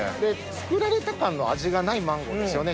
作られた感の味がないマンゴーですよね